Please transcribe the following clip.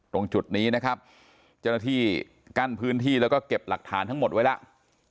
ตรงจุดนี้นะครับเจ้าหน้าที่กั้นพื้นที่แล้วก็เก็บหลักฐานทั้งหมดไว้แล้ว